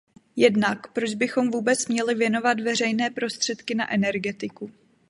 Jednak, proč bychom vůbec měli věnovat veřejné prostředky na energetiku.